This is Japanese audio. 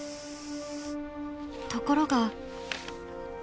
ところが。